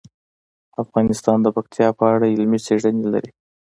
افغانستان د پکتیا په اړه علمي څېړنې لري.